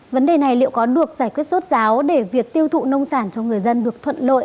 vấn đề này liệu có được giải quyết sốt giáo để việc tiêu thụ nông sản cho người dân được thuận lội